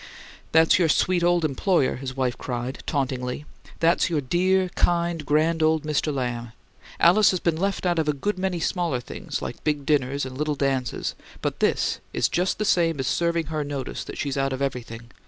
"That's your sweet old employer," his wife cried, tauntingly. "That's your dear, kind, grand old Mister Lamb! Alice has been left out of a good many smaller things, like big dinners and little dances, but this is just the same as serving her notice that she's out of everything!